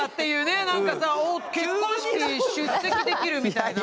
なんかさおっ結婚式出席できるみたいな。